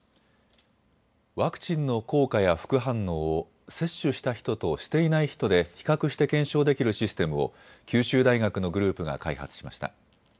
ワクチンの効果や副反応を接種した人としていない人で比較して検証できるシステムを九州大学のグループが開発しました。